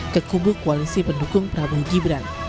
ke kubu koalisi pendukung prabowo gibran